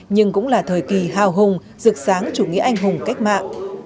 nhưng cũng là thời kỳ hào hùng rực sáng chủ nghĩa anh hùng cách mạng